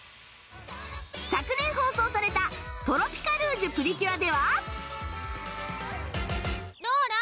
昨年放送された『トロピカルジュ！プリキュア』ではローラ！